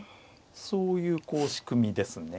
そういう仕組みですね。